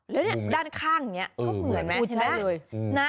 แล้วด้านข้างก็เหมือนไหม